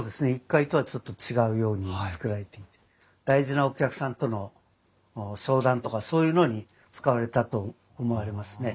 １階とはちょっと違うように造られていて大事なお客さんとの商談とかそういうのに使われたと思われますね。